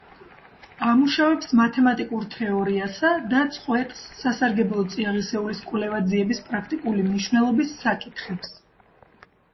ამუშავებს მათემატიკურ თეორიასა და წყვეტს სასარგებლო წიაღისეულის კვლევა-ძიების პრაქტიკული მნიშვნელობის საკითხებს.